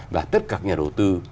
và tất cả các nhà đầu tư